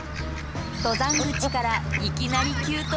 登山口からいきなり急登の道。